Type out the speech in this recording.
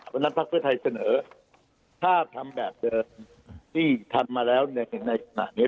วันนั้นภักดิ์เฟื้อไทยเสนอถ้าทำแบบที่ทำมาแล้วในสถานการณ์นี้